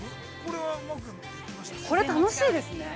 これ楽しいですね。